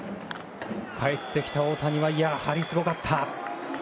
帰ってきた大谷はやはりすごかった。